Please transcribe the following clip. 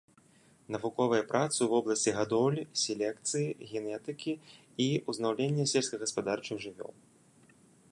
Навуковыя працы ў вобласці гадоўлі, селекцыі, генетыкі і ўзнаўлення сельскагаспадарчых жывёл.